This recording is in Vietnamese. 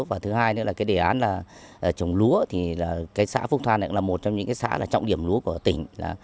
và thứ hai nữa là đề án trồng lúa thì xã phúc than là một trong những xã trọng điểm lúa của tỉnh